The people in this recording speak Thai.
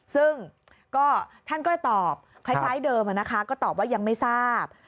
ซึ่งท่านก็ตอบคล้ายเดิมนะคะก็ตอบว่ายังไม่ทราบ